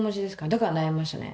だから悩みましたね